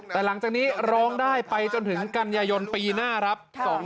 แต่หลังจากนี้ร้องได้ไปจนถึงกันยายนปีหน้าครับ